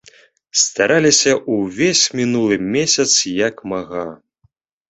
Стараліся ўвесь мінулы месяц як мага.